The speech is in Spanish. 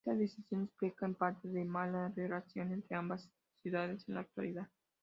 Esta decisión explica en parte la mala relación entre ambas ciudades en la actualidad.